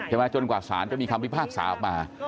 ใช่ไหมจนกว่าศาลจะมีคำวิภาคสาปมา